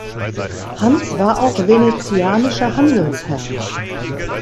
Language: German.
Hans war auch venezianischer Handelsherr.